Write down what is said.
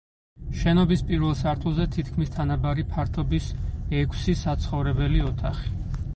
შენობის პირველ სართულზე თითქმის თანაბარი ფართობის ექვსი, სახოვრებელი ოთახი.